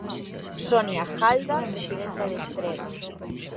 Sonia Jalda, presidenta de Trega.